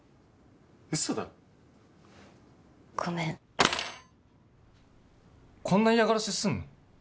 ウソだろごめんこんな嫌がらせすんの？